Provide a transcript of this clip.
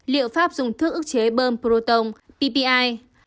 liệu pháp dùng thước ức chế bơm proton ppi